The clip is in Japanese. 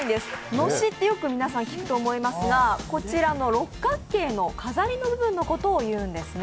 のしって皆さん、よく聞くと思いますが、こちらの六角形の飾りの部分のことを言うんですね。